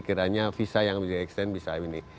kiranya visa yang bisa di extend bisa ini